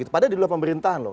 kepada di luar pemerintahan loh